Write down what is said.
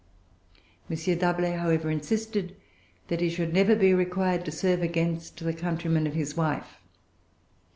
M. D'Arblay, however, insisted that he should never be required to serve against the countrymen of his wife.